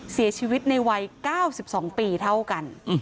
เสียชีวิตในวัย๙๒ปีเท่ากัน